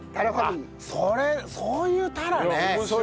あっそれそういう「たら」ね。